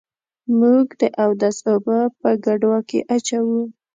موږ د اودس اوبه په ګډوه کي اچوو.